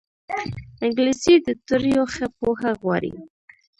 انګلیسي د توریو ښه پوهه غواړي